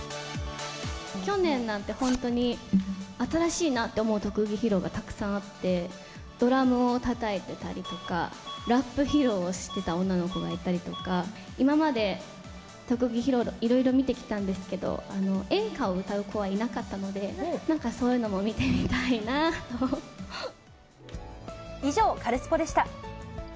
去年なんて本当に、新しいなと思う特技披露がたくさんあって、ドラムをたたいてたりとか、ラップ披露をしてた女の子がいたりとか、今まで特技披露、いろいろ見てきたんですけど、演歌を歌う子はいなかったので、なんかそういうのも見てみたいな以上、カルスポっ！でした。